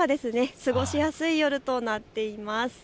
過ごしやすい夜となっています。